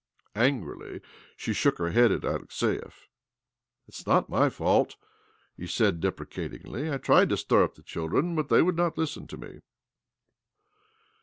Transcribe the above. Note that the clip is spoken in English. Angrily she shook her head at Alexiev. " It is not my fault," he said deprecatingly. " I tried to stir up the children, but they would not listen to me."